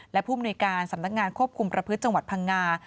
และผู้มนุยการสำนักงานควบคุมประพฤติจังหวัดพังงา